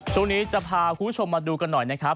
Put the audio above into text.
ช่วงนี้จะพาคุณผู้ชมมาดูกันหน่อยนะครับ